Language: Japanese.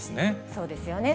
そうですよね。